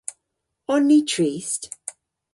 On ni trist?